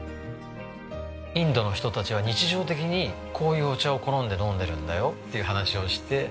インドの人たちは日常的にこういうお茶を好んで飲んでるんだよっていう話をして。